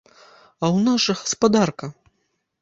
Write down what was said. А ў нас жа гаспадарка.